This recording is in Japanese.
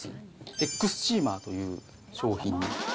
エッグスチーマーという商品。